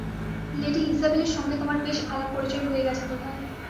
Lady ইসাবেলের সঙ্গে তোমার বেশ আলাপ-পরিচয় হয়ে গেছে বোধ হয়।